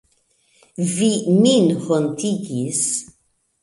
Vi min hontigis.